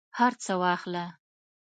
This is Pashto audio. هرڅه واخله